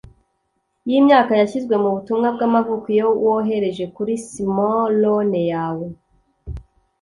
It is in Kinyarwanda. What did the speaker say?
yimyaka yashyizwe mubutumwa bwamavuko iyo wohereje kuri smallone yawe